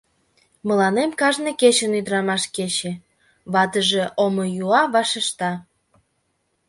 Мыланем кажне кечын ӱдырамаш кече, — ватыже омыюа вашешта.